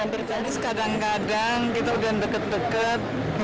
hampir terus kadang kadang kita udah deket deket